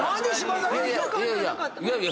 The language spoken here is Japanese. いやいや！